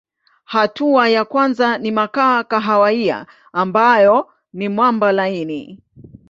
Hatua ya kwanza ni makaa kahawia ambayo ni mwamba laini.